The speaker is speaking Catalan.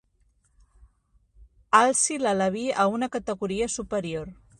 Alci l'aleví a una categoria superior.